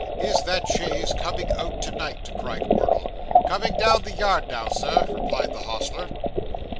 is that chaise coming out to night?' cried Wardle. 'Coming down the yard now, Sir,' replied the hostler.